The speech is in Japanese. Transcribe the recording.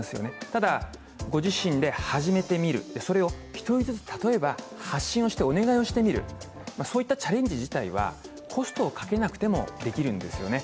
ただ、ご自身で初めてみる、それを１人ずつ、例えば発信してお願いしてみる、そういったチャレンジ自体はコストをかけなくてもできるんですよね。